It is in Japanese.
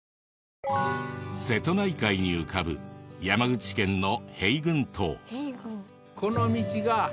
瀬戸内海に浮かぶ山口県の平郡島。